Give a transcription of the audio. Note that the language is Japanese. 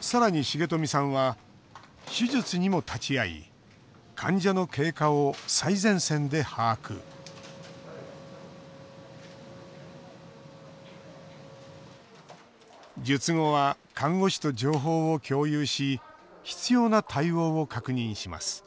さらに重冨さんは手術にも立ち会い患者の経過を最前線で把握術後は看護師と情報を共有し必要な対応を確認します